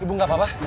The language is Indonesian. ibu ibu gak apa apa